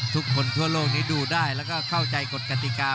ทุกคนทั่วโลกนี้ดูได้แล้วก็เข้าใจกฎกติกา